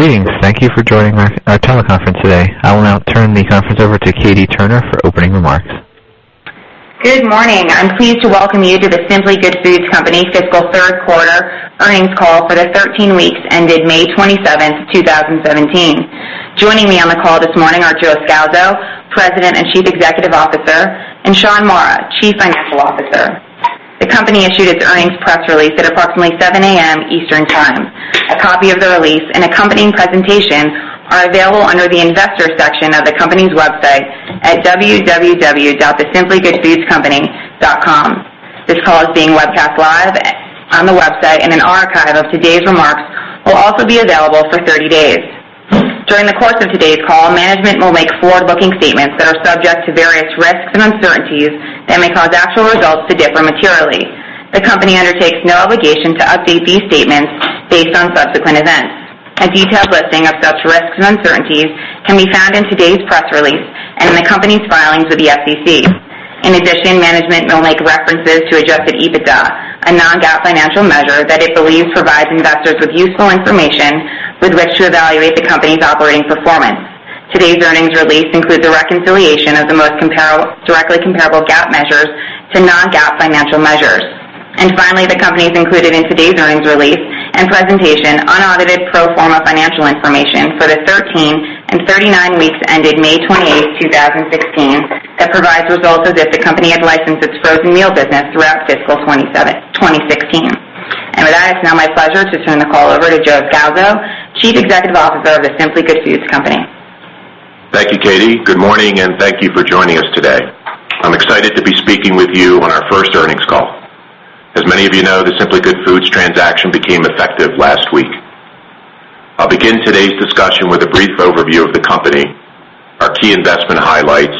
Greetings. Thank you for joining our teleconference today. I will now turn the conference over to Katie Turner for opening remarks. Good morning. I'm pleased to welcome you to The Simply Good Foods Company fiscal third quarter earnings call for the 13 weeks ended May 27th, 2017. Joining me on the call this morning are Joe Scalzo, President and Chief Executive Officer, and Shaun Mara, Chief Financial Officer. The company issued its earnings press release at approximately 7:00 A.M. Eastern Time. A copy of the release and accompanying presentation are available under the Investors section of the company's website at www.thesimplygoodfoodcompany.com. This call is being webcast live on the website, and an archive of today's remarks will also be available for 30 days. During the course of today's call, management will make forward-looking statements that are subject to various risks and uncertainties that may cause actual results to differ materially. The company undertakes no obligation to update these statements based on subsequent events. A detailed listing of such risks and uncertainties can be found in today's press release and in the company's filings with the SEC. In addition, management will make references to adjusted EBITDA, a non-GAAP financial measure that it believes provides investors with useful information with which to evaluate the company's operating performance. Today's earnings release includes a reconciliation of the most directly comparable GAAP measures to non-GAAP financial measures. Finally, the company has included in today's earnings release and presentation unaudited pro forma financial information for the 13 and 39 weeks ended May 28th, 2016, that provides results as if the company had licensed its frozen meal business throughout fiscal 2016. With that, it's now my pleasure to turn the call over to Joe Scalzo, Chief Executive Officer of The Simply Good Foods Company. Thank you, Katie. Good morning, and thank you for joining us today. I'm excited to be speaking with you on our first earnings call. As many of you know, the Simply Good Foods transaction became effective last week. I'll begin today's discussion with a brief overview of the company, our key investment highlights,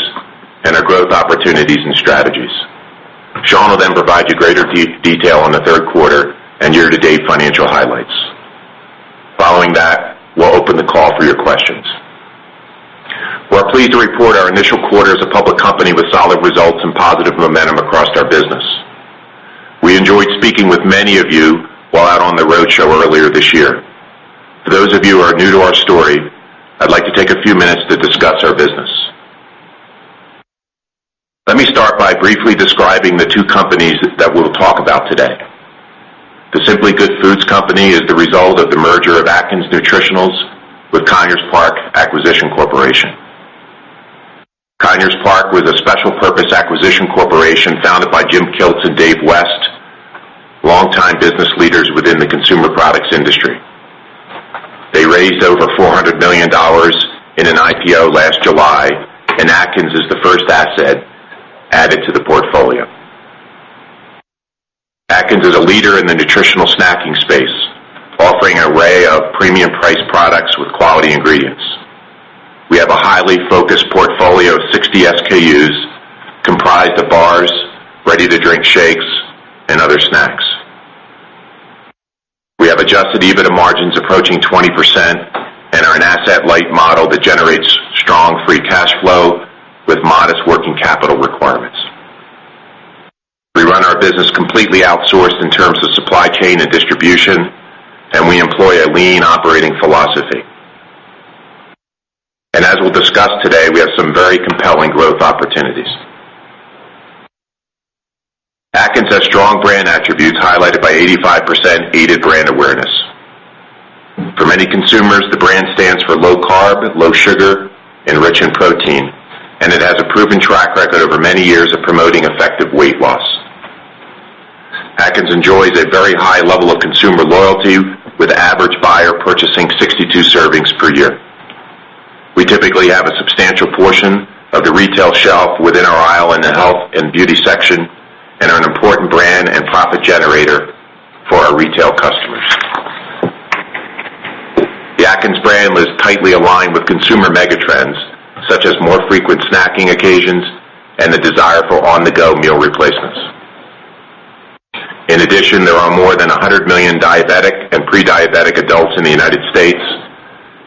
and our growth opportunities and strategies. Shaun will then provide you greater detail on the third quarter and year-to-date financial highlights. Following that, we'll open the call for your questions. We're pleased to report our initial quarter as a public company with solid results and positive momentum across our business. We enjoyed speaking with many of you while out on the roadshow earlier this year. For those of you who are new to our story, I'd like to take a few minutes to discuss our business. Let me start by briefly describing the two companies that we'll talk about today. The Simply Good Foods Company is the result of the merger of Atkins Nutritionals with Conyers Park Acquisition Corporation. Conyers Park was a special purpose acquisition corporation founded by Jim Kilts and Dave West, longtime business leaders within the consumer products industry. They raised over $400 million in an IPO last July, and Atkins is the first asset added to the portfolio. Atkins is a leader in the nutritional snacking space, offering an array of premium priced products with quality ingredients. We have a highly focused portfolio of 60 SKUs comprised of bars, ready-to-drink shakes, and other snacks. We have adjusted EBITDA margins approaching 20% and are an asset-light model that generates strong free cash flow with modest working capital requirements. We run our business completely outsourced in terms of supply chain and distribution, and we employ a lean operating philosophy. As we'll discuss today, we have some very compelling growth opportunities. Atkins has strong brand attributes highlighted by 85% aided brand awareness. For many consumers, the brand stands for low carb, low sugar, and rich in protein, and it has a proven track record over many years of promoting effective weight loss. Atkins enjoys a very high level of consumer loyalty, with the average buyer purchasing 62 servings per year. We typically have a substantial portion of the retail shelf within our aisle in the health and beauty section and are an important brand and profit generator for our retail customers. The Atkins brand is tightly aligned with consumer mega trends, such as more frequent snacking occasions and the desire for on-the-go meal replacements. There are more than 100 million diabetic and pre-diabetic adults in the U.S.,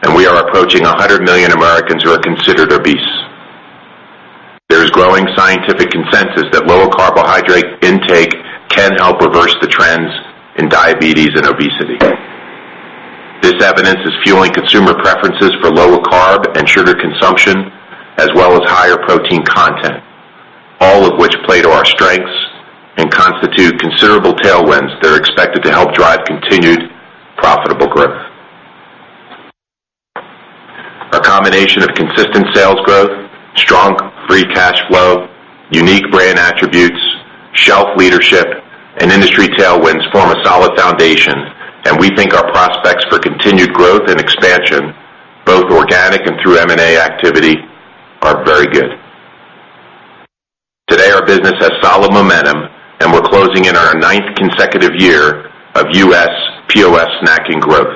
and we are approaching 100 million Americans who are considered obese. There is growing scientific consensus that lower carbohydrate intake can help reverse the trends in diabetes and obesity. This evidence is fueling consumer preferences for lower carb and sugar consumption, as well as higher protein content, all of which play to our strengths and constitute considerable tailwinds that are expected to help drive continued profitable growth. A combination of consistent sales growth, strong free cash flow, unique brand attributes, shelf leadership, and industry tailwinds form a solid foundation, and we think our prospects for continued growth and expansion, both organic and through M&A activity, are very good. Today, our business has solid momentum, and we're closing in our ninth consecutive year of U.S. POS snacking growth.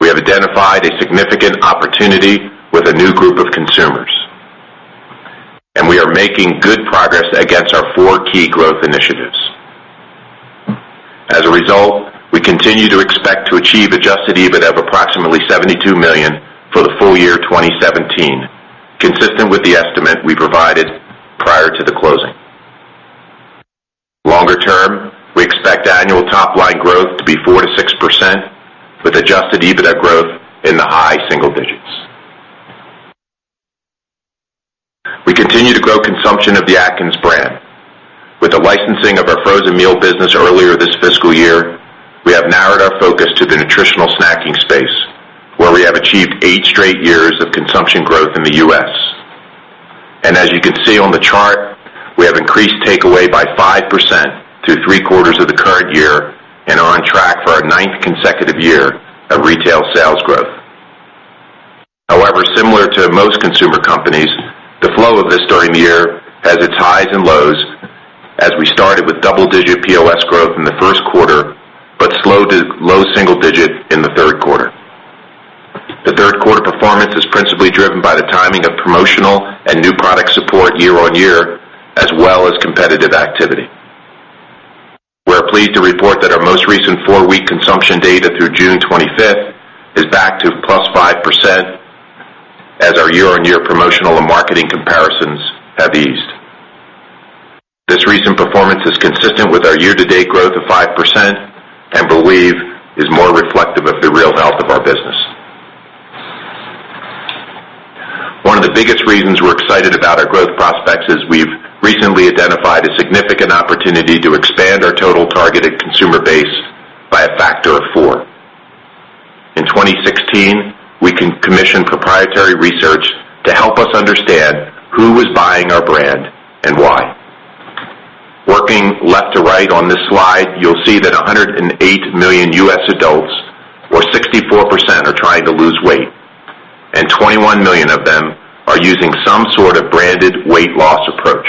We have identified a significant opportunity with a new group of consumers, and we are making good progress against our four key growth initiatives. We continue to expect to achieve adjusted EBITDA of approximately $72 million for the full year 2017, consistent with the estimate we provided prior to the closing, we expect annual top-line growth to be 4%-6% with adjusted EBITDA growth in the high single digits. We continue to grow consumption of the Atkins brand. With the licensing of our frozen meal business earlier this fiscal year, we have narrowed our focus to the nutritional snacking space, where we have achieved eight straight years of consumption growth in the U.S. As you can see on the chart, we have increased takeaway by 5% through three quarters of the current year and are on track for our ninth consecutive year of retail sales growth. similar to most consumer companies, the flow of this during the year has its highs and lows as we started with double-digit POS growth in the first quarter but slowed to low double-digit in the third quarter. The third quarter performance is principally driven by the timing of promotional and new product support year-on-year, as well as competitive activity. We're pleased to report that our most recent 4-week consumption data through June 25th is back to +5% as our year-on-year promotional and marketing comparisons have eased. This recent performance is consistent with our year-to-date growth of 5% and believe is more reflective of the real health of our business. One of the biggest reasons we're excited about our growth prospects is we've recently identified a significant opportunity to expand our total targeted consumer base by a factor of four. In 2016, we commissioned proprietary research to help us understand who was buying our brand and why. Working left to right on this slide, you'll see that 108 million U.S. adults or 64% are trying to lose weight, and 21 million of them are using some sort of branded weight loss approach.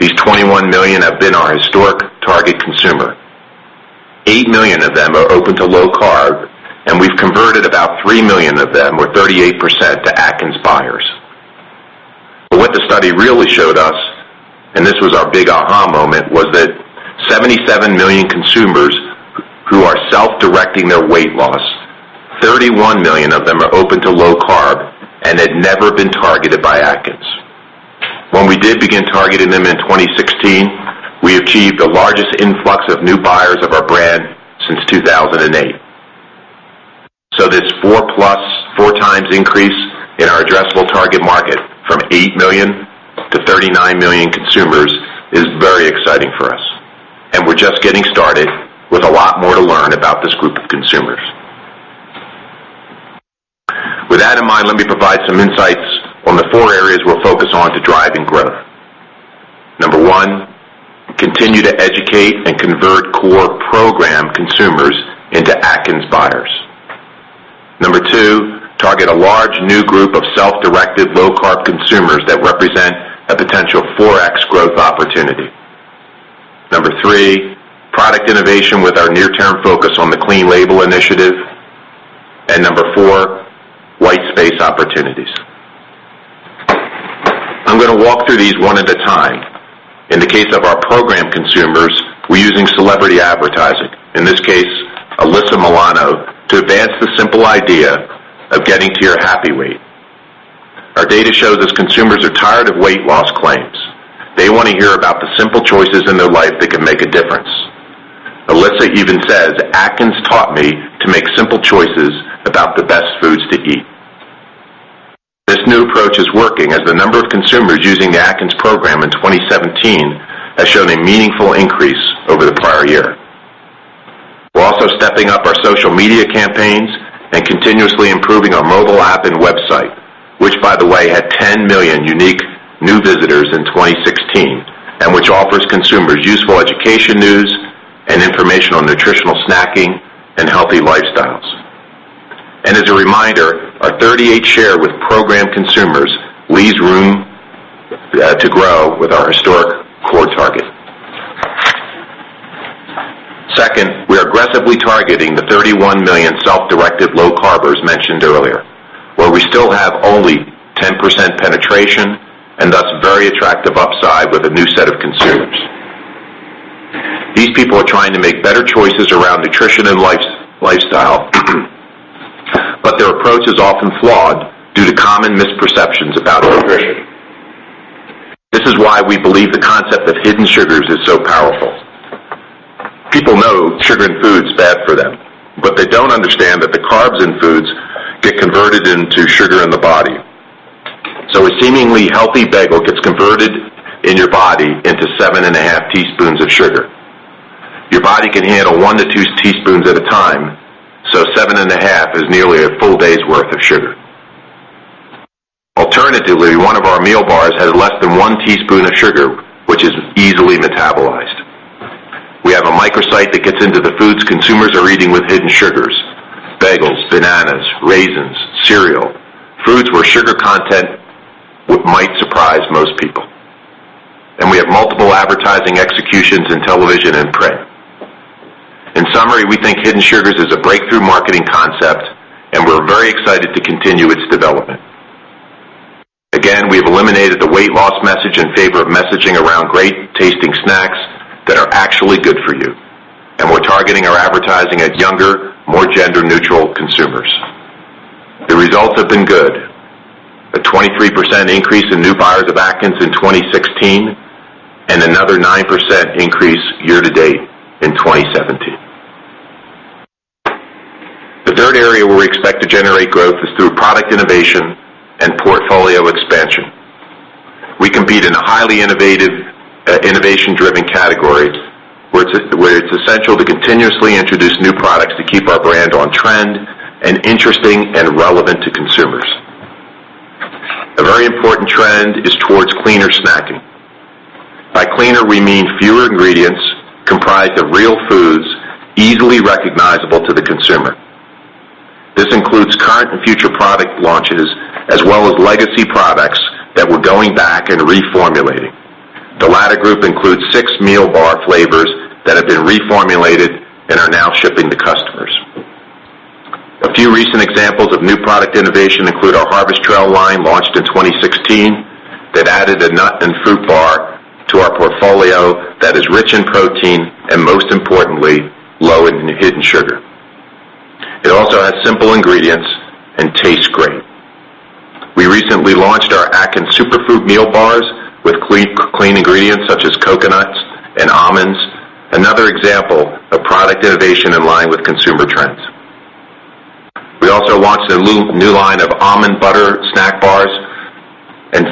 These 21 million have been our historic target consumer. 8 million of them are open to low-carb, and we've converted about 3 million of them, or 38%, to Atkins buyers. what the study really showed us, and this was our big aha moment, was that 77 million consumers who are self-directing their weight loss, 31 million of them are open to low-carb and had never been targeted by Atkins. When we did begin targeting them in 2016, we achieved the largest influx of new buyers of our brand since 2008. this 4 times increase in our addressable target market from 8 million to 39 million consumers is very exciting for us, and we're just getting started with a lot more to learn about this group of consumers. With that in mind, let me provide some insights on the four areas we'll focus on to driving growth. Number 1, continue to educate and convert core program consumers into Atkins buyers. Number 2, target a large new group of self-directed low-carb consumers that represent a potential 4X growth opportunity. Number 3, product innovation with our near-term focus on the clean label initiative. Number 4, white space opportunities. I'm going to walk through these one at a time. In the case of our program consumers, we're using celebrity advertising, in this case, Alyssa Milano, to advance the simple idea of getting to your happy weight. Our data shows us consumers are tired of weight loss claims. They want to hear about the simple choices in their life that can make a difference. Alyssa even says, "Atkins taught me to make simple choices about the best foods to eat." This new approach is working as the number of consumers using the Atkins program in 2017 has shown a meaningful increase over the prior year. We're also stepping up our social media campaigns and continuously improving our mobile app and website, which by the way, had 10 million unique new visitors in 2016, and which offers consumers useful education news and information on nutritional snacking and healthy lifestyles. as a reminder, our 38% share with program consumers leaves room to grow with our historic core target. Second, we are aggressively targeting the 31 million self-directed low carbers mentioned earlier, where we still have only 10% penetration and thus very attractive upside with a new set of consumers. These people are trying to make better choices around nutrition and lifestyle, their approach is often flawed due to common misperceptions about nutrition. This is why we believe the concept of Hidden Sugars is so powerful. People know sugar in food is bad for them, they don't understand that the carbs in foods get converted into sugar in the body. A seemingly healthy bagel gets converted in your body into seven and a half teaspoons of sugar. Your body can handle one to two teaspoons at a time, seven and a half is nearly a full day's worth of sugar. Alternatively, one of our meal bars has less than one teaspoon of sugar, which is easily metabolized. We have a microsite that gets into the foods consumers are eating with Hidden Sugars: bagels, bananas, raisins, cereal, foods where sugar content might surprise most people. We have multiple advertising executions in television and print. In summary, we think Hidden Sugars is a breakthrough marketing concept, we're very excited to continue its development. Again, we've eliminated the weight loss message in favor of messaging around great-tasting snacks that are actually good for you. We're targeting our advertising at younger, more gender-neutral consumers. Have been good. A 23% increase in new buyers of Atkins in 2016, another 9% increase year-to-date in 2017. The third area where we expect to generate growth is through product innovation and portfolio expansion. We compete in a highly innovation-driven category, where it's essential to continuously introduce new products to keep our brand on trend and interesting and relevant to consumers. A very important trend is towards cleaner snacking. By cleaner, we mean fewer ingredients comprised of real foods, easily recognizable to the consumer. This includes current and future product launches, as well as legacy products that we're going back and reformulating. The latter group includes six meal bar flavors that have been reformulated and are now shipping to customers. A few recent examples of new product innovation include our Harvest Trail line, launched in 2016, that added a nut and fruit bar to our portfolio that is rich in protein and most importantly, low in Hidden Sugars. It also has simple ingredients and tastes great. We recently launched our Atkins Superfood Meal Bars with clean ingredients such as coconuts and almonds. Another example of product innovation in line with consumer trends. We also launched a new line of almond butter snack bars.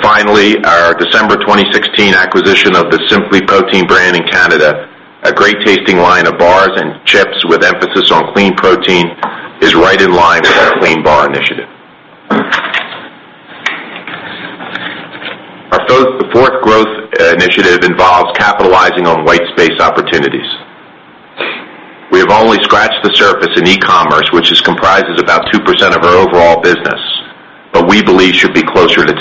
Finally, our December 2016 acquisition of the SimplyProtein brand in Canada, a great-tasting line of bars and chips with emphasis on clean protein, is right in line with our clean bar initiative. Our fourth growth initiative involves capitalizing on white space opportunities. We have only scratched the surface in e-commerce, which comprises about 2% of our overall business, we believe should be closer to 10%.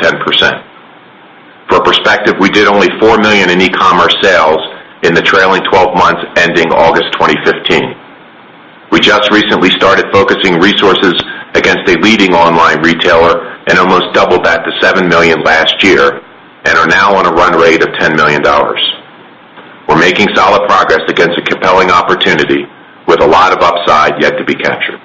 For perspective, we did only $4 million in e-commerce sales in the trailing 12 months ending August 2015. We just recently started focusing resources against a leading online retailer almost doubled that to $7 million last year, are now on a run rate of $10 million. We're making solid progress against a compelling opportunity with a lot of upside yet to be captured.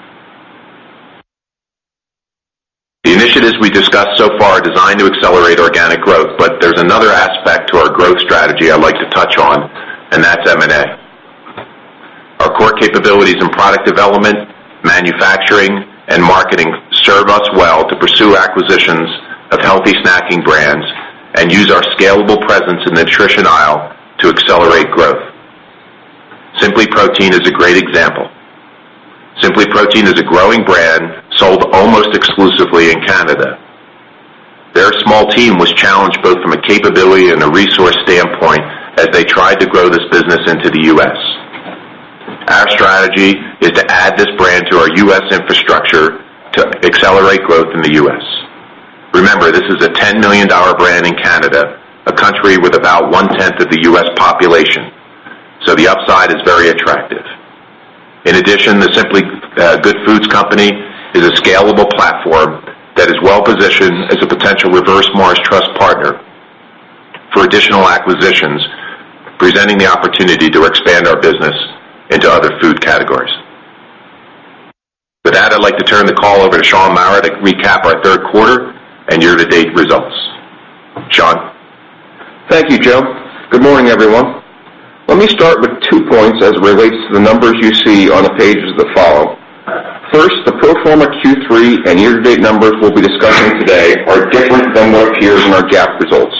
The initiatives we discussed so far are designed to accelerate organic growth, but there's another aspect to our growth strategy I'd like to touch on, and that's M&A. Our core capabilities in product development, manufacturing, and marketing serve us well to pursue acquisitions of healthy snacking brands and use our scalable presence in the nutrition aisle to accelerate growth. SimplyProtein is a great example. SimplyProtein is a growing brand sold almost exclusively in Canada. Their small team was challenged both from a capability and a resource standpoint as they tried to grow this business into the U.S. Our strategy is to add this brand to our U.S. infrastructure to accelerate growth in the U.S. Remember, this is a $10 million brand in Canada, a country with about one-tenth of the U.S. population, so the upside is very attractive. In addition, The Simply Good Foods Company is a scalable platform that is well-positioned as a potential reverse Morris Trust partner for additional acquisitions, presenting the opportunity to expand our business into other food categories. With that, I'd like to turn the call over to Shaun Mara to recap our third quarter and year-to-date results. Shaun? Thank you, Joe. Good morning, everyone. Let me start with two points as it relates to the numbers you see on the pages that follow. First, the pro forma Q3 and year-to-date numbers we'll be discussing today are different than what appears in our GAAP results.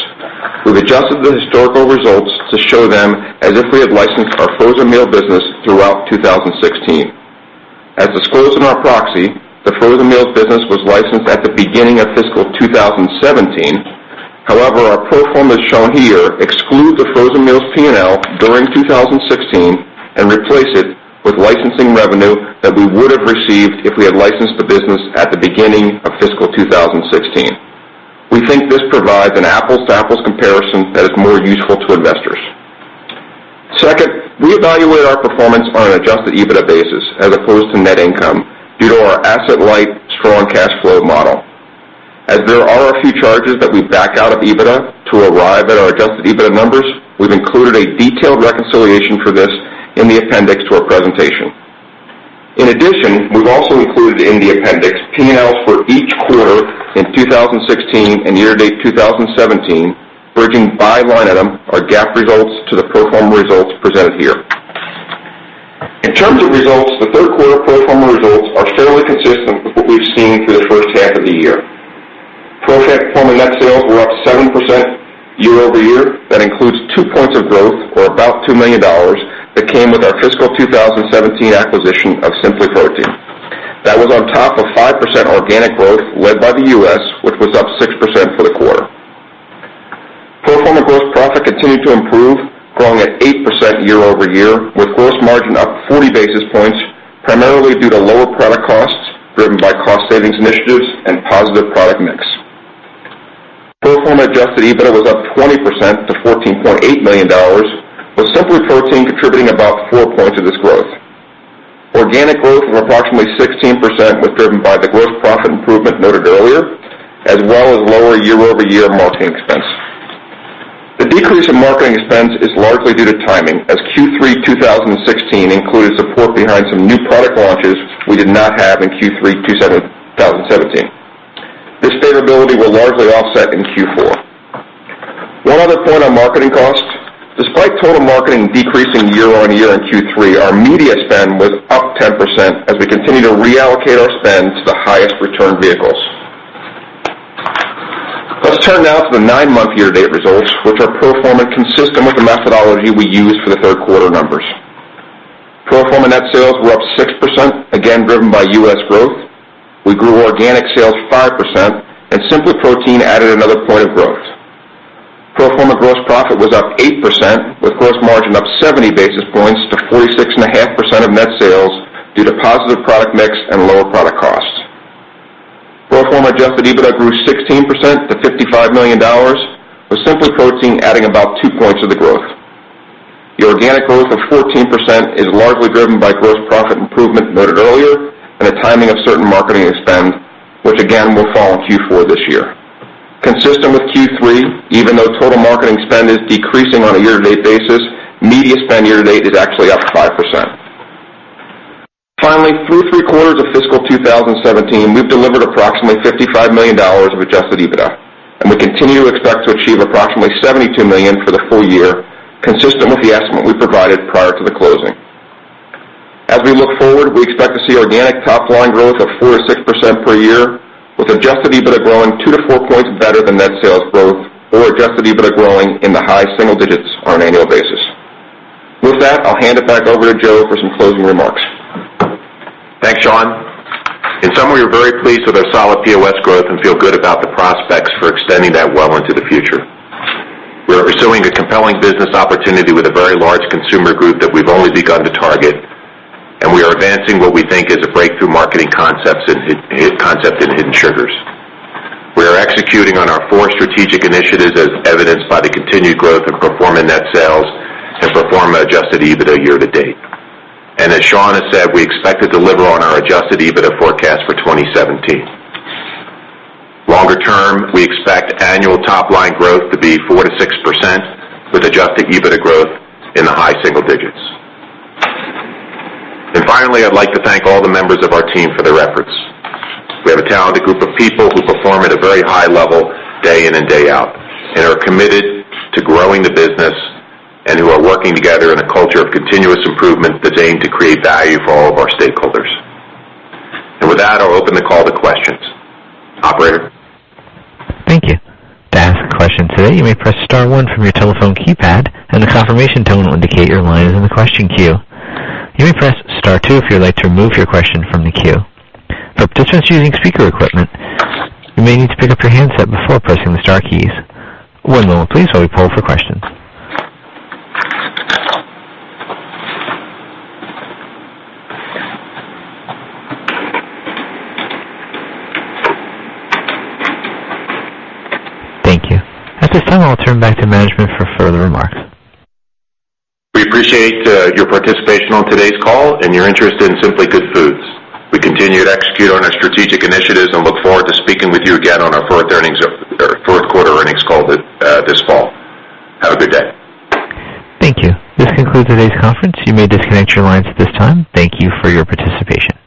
We've adjusted the historical results to show them as if we had licensed our frozen meal business throughout 2016. As disclosed in our proxy, the frozen meals business was licensed at the beginning of fiscal 2017. However, our pro forma shown here excludes the frozen meals P&L during 2016 and replaces it with licensing revenue that we would have received if we had licensed the business at the beginning of fiscal 2016. We think this provides an apples-to-apples comparison that is more useful to investors. Second, we evaluate our performance on an adjusted EBITDA basis as opposed to net income due to our asset-light, strong cash flow model. As there are a few charges that we back out of EBITDA to arrive at our adjusted EBITDA numbers, we've included a detailed reconciliation for this in the appendix to our presentation. In addition, we've also included in the appendix P&Ls for each quarter in 2016 and year-to-date 2017, bridging by line item our GAAP results to the pro forma results presented here. In terms of results, the third quarter pro forma results are fairly consistent with what we've seen through the first half of the year. Pro forma net sales were up 7% year-over-year. That includes two points of growth, or about $2 million, that came with our fiscal 2017 acquisition of SimplyProtein. That was on top of 5% organic growth led by the U.S., which was up 6% for the quarter. Pro forma gross profit continued to improve, growing at 8% year-over-year, with gross margin up 40 basis points, primarily due to lower product costs driven by cost-savings initiatives and positive product mix. Pro forma adjusted EBITDA was up 20% to $14.8 million, with SimplyProtein contributing about four points of this growth. Organic growth of approximately 16% was driven by the gross profit improvement noted earlier, as well as lower year-over-year marketing expense. The decrease in marketing expense is largely due to timing, as Q3 2016 included support behind some new product launches we did not have in Q3 2017. This favorability will largely offset in Q4. One other point on marketing costs. Despite total marketing decreasing year-on-year in Q3, our media spend was up 10% as we continue to reallocate our spend to the highest return vehicles. Let's turn now to the nine-month year-to-date results, which are pro forma consistent with the methodology we used for the third quarter numbers. Pro forma net sales were up 6%, again driven by U.S. growth. We grew organic sales 5%, and SimplyProtein added another point of growth. Pro forma gross profit was up 8%, with gross margin up 70 basis points to 46.5% of net sales due to positive product mix and lower product costs. Pro forma adjusted EBITDA grew 16% to $55 million, with SimplyProtein adding about two points of the growth. The organic growth of 14% is largely driven by gross profit improvement noted earlier and the timing of certain marketing spend, which again will fall in Q4 this year. Consistent with Q3, even though total marketing spend is decreasing on a year-to-date basis, media spend year-to-date is actually up 5%. Finally, through three quarters of fiscal 2017, we've delivered approximately $55 million of adjusted EBITDA, and we continue to expect to achieve approximately $72 million for the full year, consistent with the estimate we provided prior to the closing. As we look forward, we expect to see organic top-line growth of 4%-6% per year, with adjusted EBITDA growing two to four points better than net sales growth or adjusted EBITDA growing in the high single digits on an annual basis. With that, I'll hand it back over to Joe for some closing remarks. Thanks, Shaun. In summary, we are very pleased with our solid POS growth and feel good about the prospects for extending that well into the future. We are pursuing a compelling business opportunity with a very large consumer group that we've only begun to target, and we are advancing what we think is a breakthrough marketing concept in Hidden Sugars. We are executing on our four strategic initiatives as evidenced by the continued growth of pro forma net sales and pro forma adjusted EBITDA year-to-date. As Shaun has said, we expect to deliver on our adjusted EBITDA forecast for 2017. Longer term, we expect annual top-line growth to be 4%-6%, with adjusted EBITDA growth in the high single digits. Finally, I'd like to thank all the members of our team for their efforts. We have a talented group of people who perform at a very high level day in and day out and are committed to growing the business and who are working together in a culture of continuous improvement that's aimed to create value for all of our stakeholders. With that, I'll open the call to questions. Operator? Thank you. To ask a question today, you may press star one from your telephone keypad, and a confirmation tone will indicate your line is in the question queue. You may press star two if you'd like to remove your question from the queue. For participants using speaker equipment, you may need to pick up your handset before pressing the star keys. One moment please while we poll for questions. Thank you. At this time, I'll turn back to management for further remarks. We appreciate your participation on today's call and your interest in Simply Good Foods. We continue to execute on our strategic initiatives and look forward to speaking with you again on our fourth-quarter earnings call this fall. Have a good day. Thank you. This concludes today's conference. You may disconnect your lines at this time. Thank you for your participation.